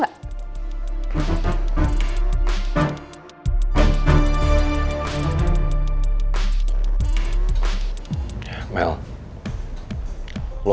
lu akan berjalan jalan ke mall